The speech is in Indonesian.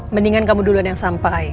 mendingan kamu duluan yang sampai